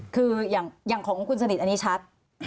คืออย่างของคุณสนิทอันนี้ชัด